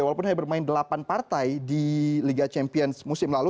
walaupun hanya bermain delapan partai di liga champions musim lalu